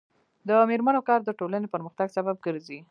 د میرمنو کار د ټولنې پرمختګ سبب ګرځي.